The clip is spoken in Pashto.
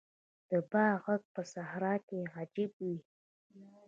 د باد ږغ په صحرا کې عجیب وي.